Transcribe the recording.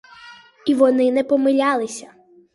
І вони не помилялися.